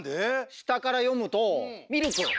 したからよむと「ミルク」！